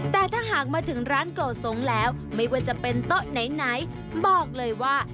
แต่ถ้าหากมาถึงร้านโกสงแล้วไม่ว่าจะเป็นโต๊ะไหนบอกเลยว่า